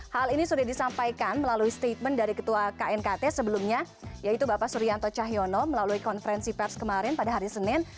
hal ini sudah disampaikan melalui statement dari ketua knkt sebelumnya yaitu bapak suryanto cahyono melalui konferensi pers kemarin pada hari senin